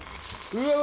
うわ